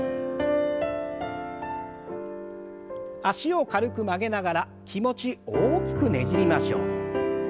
脚を軽く曲げながら気持ち大きくねじりましょう。